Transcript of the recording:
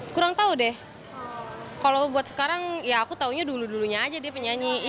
kurang tahu deh kalau buat sekarang ya aku taunya dulu dulunya aja deh penyanyi